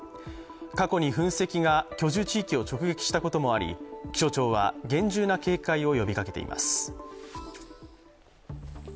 過去に噴石が居住地域を直撃したこともあり、気象庁は厳重な警戒を呼びかけています。